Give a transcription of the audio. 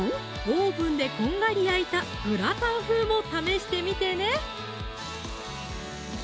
オーブンでこんがり焼いたグラタン風も試してみてね！